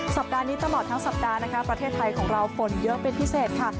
สัปดาห์นี้ตลอดทั้งสัปดาห์นะคะประเทศไทยของเราฝนเยอะเป็นพิเศษค่ะ